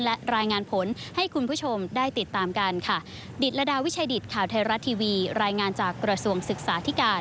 และรายงานผลให้คุณผู้ชมได้ติดตามกันค่ะ